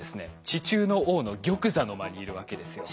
地中の王の玉座の間にいるわけですよ。